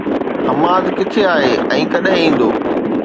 حماد، ڪٿي آهي ۽ ڪڏهن ايندو؟